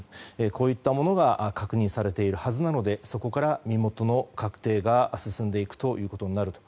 こういったものが確認されているはずなのでそこから身元の確定が進んでいくとみられると。